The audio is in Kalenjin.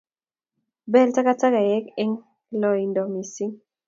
Bel takatakek eng' loindo mising